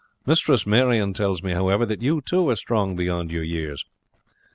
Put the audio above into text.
Mistress Marion tells me, however, that you too are strong beyond your years."